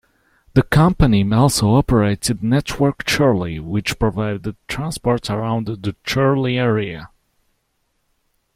The company also operated Network Chorley, which provided transport around the Chorley area.